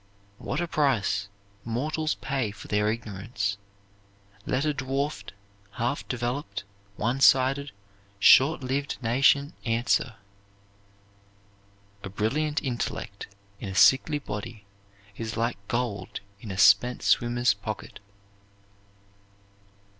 What a price mortals pay for their ignorance, let a dwarfed, half developed, one sided, short lived nation answer. "A brilliant intellect in a sickly body is like gold in a spent swimmer's pocket."